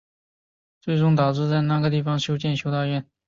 最终导致在那个位置修建修道院。